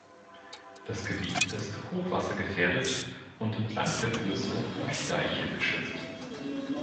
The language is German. Das Gebiet ist hochwassergefährdet und entlang der Flüsse durch Deiche geschützt.